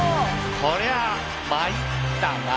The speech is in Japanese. こりゃ「まい」ったなあ。